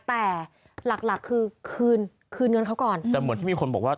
แต่หลักหลักคือคืนคืนเงินเขาก่อนแต่เหมือนที่มีคนบอกว่า